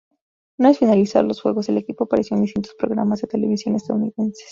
Una vez finalizados los juegos, el equipo apareció en distintos programas de televisión estadounidenses.